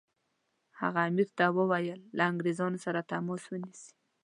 هغه امیر ته وویل له انګریزانو سره تماس ونیسي.